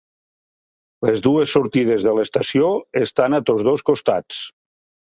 Les dues sortides de l'estació estan a tots dos costats.